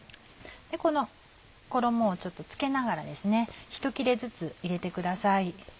この衣をちょっと付けながらひと切れずつ入れてください。